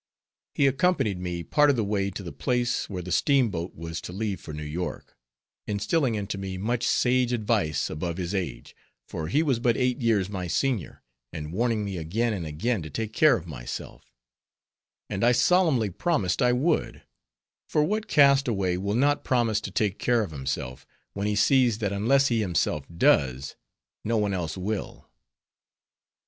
He accompanied me part of the way to the place, where the steamboat was to leave for New York; instilling into me much sage advice above his age, for he was but eight years my senior, and warning me again and again to take care of myself; and I solemnly promised I would; for what cast away will not promise to take of care himself, when he sees that unless he himself does, no one else will.